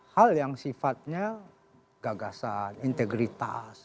hal yang sifatnya gagasan integritas